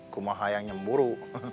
kumaha yang nyemburu